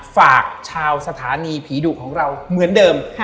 ฝากชาวสถานีผีดุของเราเหมือนเดิม